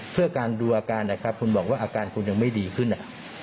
เพื่อการดูอาการนะครับคุณบอกว่าอาการคุณยังไม่ดีขึ้น